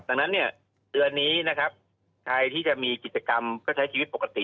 ดังนั้นเนี่ยเดือนนี้นะครับใครที่จะมีกิจกรรมก็ใช้ชีวิตปกติ